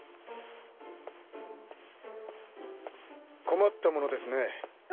困ったものですね。